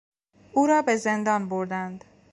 او را به زندان بردند.